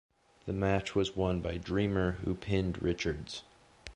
The match was won by Dreamer, who pinned Richards.